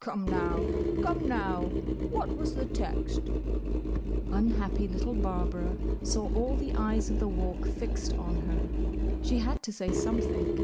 "Come, now! Come, now! What was the text?" Unhappy little Barbara saw all the eyes of the Walk fixed on her. She had to say something.